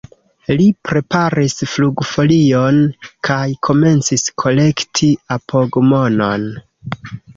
Li preparis flugfolion kaj komencis kolekti apogmonon.